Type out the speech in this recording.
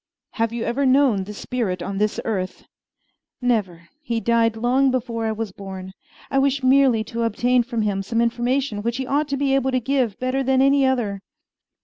"Have you ever known this spirit on this earth?" "Never. He died long before I was born. I wish merely to obtain from him some information which he ought to be able to give better than any other."